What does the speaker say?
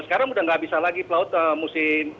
sekarang udah nggak bisa lagi pelaut musim